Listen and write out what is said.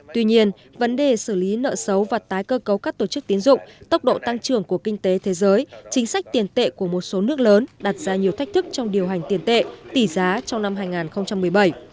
tuy nhiên vấn đề xử lý nợ xấu và tái cơ cấu các tổ chức tiến dụng tốc độ tăng trưởng của kinh tế thế giới chính sách tiền tệ của một số nước lớn đặt ra nhiều thách thức trong điều hành tiền tệ tỷ giá trong năm hai nghìn một mươi bảy